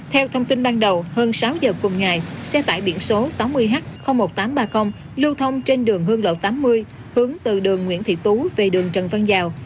theo thông tin ban đầu hơn sáu giờ cùng ngày xe tải biển số sáu mươi h một nghìn tám trăm ba mươi lưu thông trên đường hương lộ tám mươi hướng từ đường nguyễn thị tú về đường trần văn dào